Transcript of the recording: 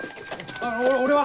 あの俺は？